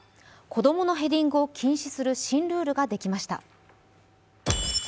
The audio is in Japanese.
子供のヘディングを禁止する新ルールができました。